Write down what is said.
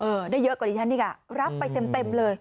ได้เยอะกว่าดิฉันอีกอ่ะรับไปเต็มเลย